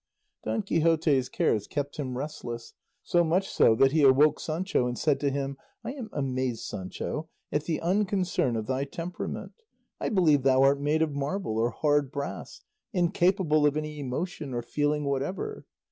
Don Quixote's cares kept him restless, so much so that he awoke Sancho and said to him, "I am amazed, Sancho, at the unconcern of thy temperament. I believe thou art made of marble or hard brass, incapable of any emotion or feeling whatever.